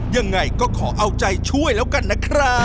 ยังไงก็ขอเอาใจช่วยแล้วกันนะครับ